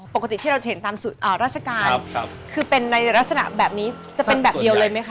ปกติที่เราจะเห็นตามราชการคือเป็นในลักษณะแบบนี้จะเป็นแบบเดียวเลยไหมคะ